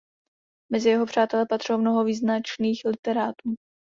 Mezi jeho přátele patřilo mnoho význačných literátů.